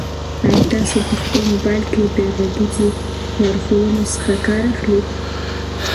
آیا تاسو په خپل موبایل کې د غږیزو لارښوونو څخه کار اخلئ؟